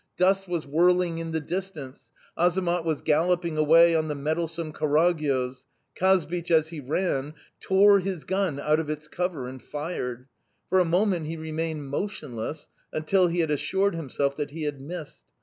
Dust was whirling in the distance Azamat was galloping away on the mettlesome Karagyoz. Kazbich, as he ran, tore his gun out of its cover and fired. For a moment he remained motionless, until he had assured himself that he had missed.